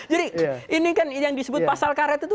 jadi ini kan yang disebut pasal karet itu